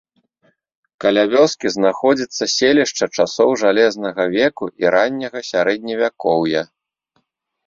Каля вёскі знаходзіцца селішча часоў жалезнага веку і ранняга сярэдневякоўя.